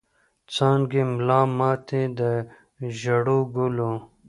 څانګي ملا ماتي د ژړو ګلو